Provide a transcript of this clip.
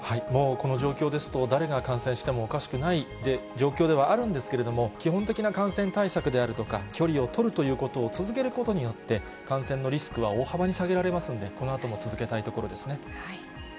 もうこの状況ですと、誰が感染してもおかしくない状況ではあるんですけれども、基本的な感染対策であるとか、距離をとるということを続けることによって、感染のリスクは大幅に下げられますんで、このあとも続けたいところですね。